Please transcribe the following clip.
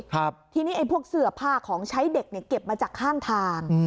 ทีนี้ไอ้พวกเสื้อผ้าของใช้เด็กเนี่ยเก็บมาจากข้างทาง